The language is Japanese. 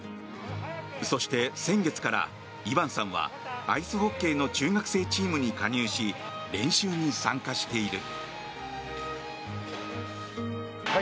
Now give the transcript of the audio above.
そして、先月からイバンさんはアイスホッケーの中学生チームに加入し練習に参加している。